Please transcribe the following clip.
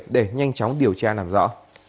để nhanh chóng điều tra làm rõ